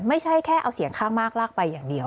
ไม่ใช่แค่เอาเสียงข้างมากลากไปอย่างเดียว